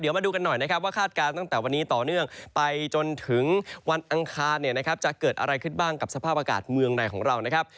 มาดูกันหน่อยนะครับว่าคาดการณ์ตั้งแต่วันนี้ต่อเนื่องไปจนถึงวันอังคารเนี่ยนะครับจะเกิดอะไรขึ้นบ้างกับสภาพอากาศเมืองไหนของเรานะครับ